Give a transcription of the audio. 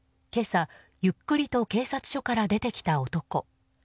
今朝、ゆっくりと警察署から出てきた男。